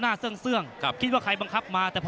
มุมแดงครับจะแทงได้ไม่ได้